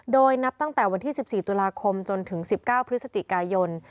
โดยนับตั้งแต่วันที่๑๔ตุลาคมจนถึง๑๙พฤศจิกายน